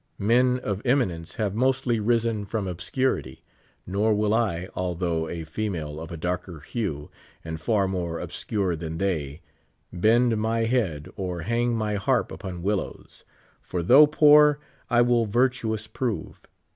Men of eminence have mostl}' risen from obscurity ; nor will I, although a female of a darker hue, and far more obscure than they, bend my head or hang my harp upon willows ; for though poor, I will virtuous prove.